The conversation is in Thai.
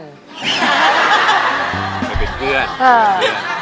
ไปเป็นเพื่อน